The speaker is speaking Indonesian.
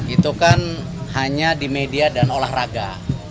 itu kan hanya di media dan olahraga